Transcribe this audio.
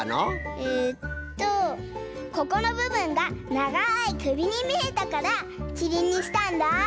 えっとここのぶぶんがながいくびにみえたからきりんにしたんだ。